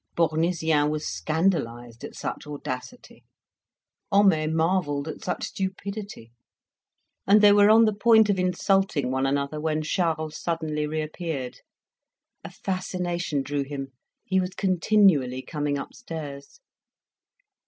Bournisien was scandalized at such audacity; Homais marvelled at such stupidity; and they were on the point of insulting one another when Charles suddenly reappeared. A fascination drew him. He was continually coming upstairs.